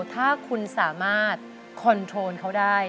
ถ้าคุณสามารถคอนโทรลเขาได้